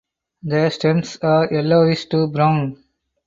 The stems are yellowish to brown.